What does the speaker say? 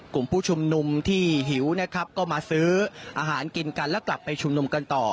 กลุ่มผู้ชุมนุมที่หิวนะครับก็มาซื้ออาหารกินกันแล้วกลับไปชุมนุมกันต่อ